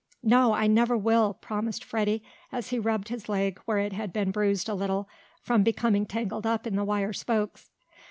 "No, I never will!" promised Freddie, as he rubbed his leg where it had been bruised a little from becoming tangled up in the wire spokes.